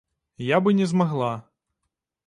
Я бы не змагла.